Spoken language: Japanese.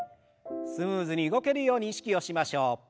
スムーズに動けるように意識をしましょう。